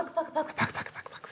パクパクパクパク。